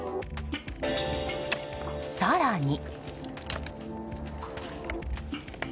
更に。